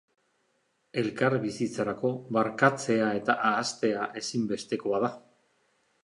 Elkarbizitzarako, barkatzea eta ahaztea, ezinbestekoa da.